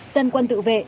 dân quân tự vệ